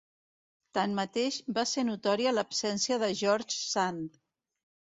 Tanmateix, va ser notòria l'absència de George Sand.